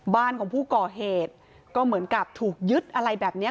บ้านของผู้ก่อเหตุก็เหมือนกับถูกยึดอะไรแบบนี้